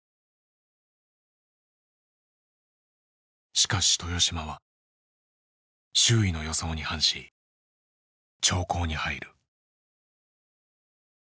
しかし豊島は周囲の予想に反し長考に入る。